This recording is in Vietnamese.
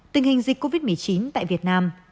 tình hình dịch covid một mươi chín tại việt nam